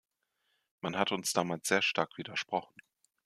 Man hat uns damals sehr stark widersprochen.